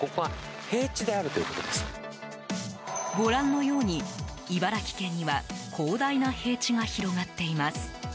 ご覧のように茨城県には広大な平地が広がっています。